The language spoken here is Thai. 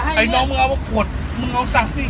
ไอ้น้องมึงเอาขวดมึงเอาจังที